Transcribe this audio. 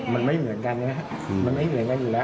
มันไม่เหมือนกันนะครับมันไม่เหมือนกันอยู่แล้ว